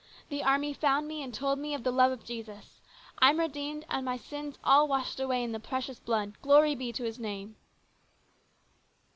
The army found me and told me of the love of Jesus. I'm redeemed and my sins all washed away in the precious blood, glory be to His name